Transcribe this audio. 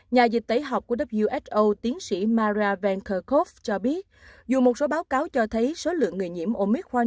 nhà dịch tẩy học của who tiến sĩ mara van kerkhove cho biết dù một số báo cáo cho thấy số lượng người nhiễm omicron